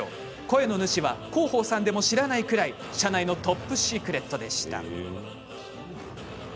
声の主は、広報さんでも知らないくらい社内のトップシークレットでした。